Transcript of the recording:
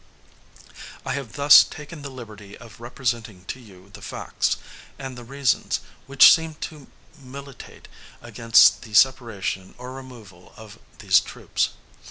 I have thus taken the liberty of representing to you the facts and the reasons, which seem to militate against the separation or removal of these troops.